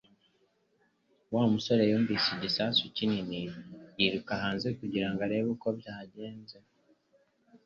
Wa musore yumvise igisasu kinini yiruka hanze kugira ngo arebe uko byagenze